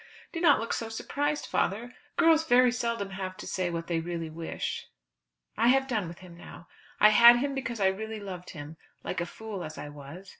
Do not look so surprised, father. Girls very seldom have to say what they really wish. I have done with him now. I had him because I really loved him, like a fool as I was.